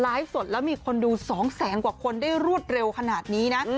สดแล้วมีคนดู๒แสนกว่าคนได้รวดเร็วขนาดนี้นะ